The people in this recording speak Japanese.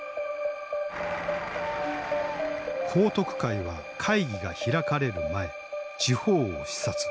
彭徳懐は会議が開かれる前地方を視察。